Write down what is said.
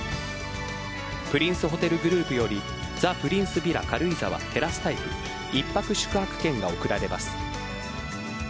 プリンスホテルグループよりザ・プリンスヴィラ軽井沢テラスタイプ１泊宿泊券が贈られます。